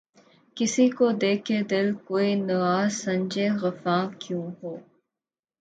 کسی کو دے کے دل‘ کوئی نوا سنجِ فغاں کیوں ہو؟